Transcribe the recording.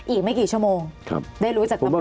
อีกไม่กี่ชั่วโมงได้รู้จักกับประโยชน์